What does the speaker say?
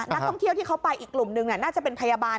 นักท่องเที่ยวที่เขาไปอีกกลุ่มนึงน่าจะเป็นพยาบาล